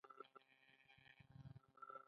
د میک اپ پر ځای اصلي ښکلا غوره ده.